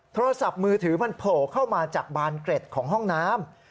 โทรศัพท์มือถือมันโผล่เข้ามาจากบานเกร็ดของห้องน้ำ